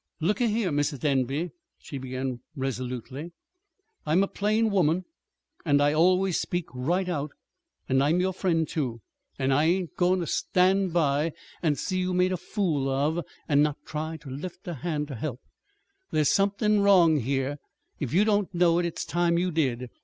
"Look a here, Mis' Denby," she began resolutely, "I'm a plain woman, and I always speak right out. And I'm your friend, too, and I ain't goin' ter stand by and see you made a fool of, and not try ter lift a hand ter help. There's somethin' wrong here. If you don't know it, it's time you did.